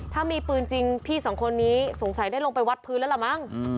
ถ้ามีปืนจริงพี่สองคนนี้สงสัยได้ลงไปวัดพื้นแล้วล่ะมั้ง